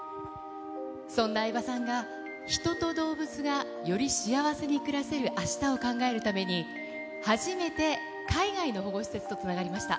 そんな相葉さんが人と動物がより幸せに暮らせるあしたを考えるために、初めて海外の保護施設とつながりました。